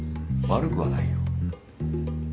悪くはないよ。